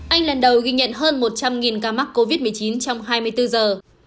anh lần đầu ghi nhận hơn một trăm linh ca mắc covid một mươi chín trong hai mươi bốn giờ